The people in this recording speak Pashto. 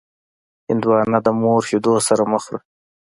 هندوانه د مور شیدو سره مه خوره.